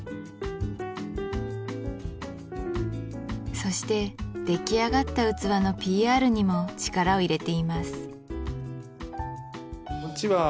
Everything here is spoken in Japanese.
そして出来上がった器のＰＲにも力を入れています